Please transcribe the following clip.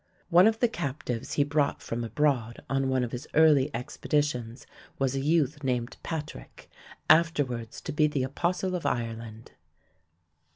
One of the captives he brought from abroad on one of his early expeditions was a youth named Patrick, afterwards to be the Apostle of Ireland.